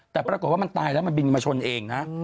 แต่ปรากฏว่ามันตายแล้วมันบินมาชนเองนะ